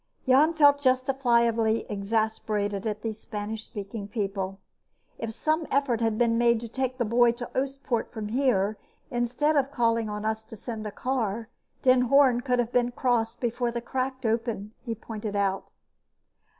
Jan felt justifiably exasperated at these Spanish speaking people. "If some effort had been made to take the boy to Oostpoort from here, instead of calling on us to send a car, Den Hoorn could have been crossed before the crack opened," he pointed out.